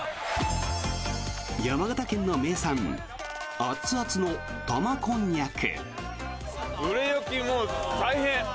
山形県の名産熱々の玉こんにゃく。